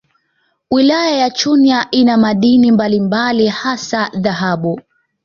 Wilaya ya Chunya ina madini mbalimbali hasa dhahabu